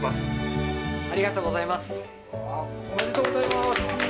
おめでとうございます。